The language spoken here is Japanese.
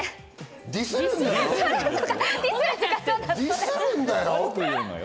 ディスるんだよ！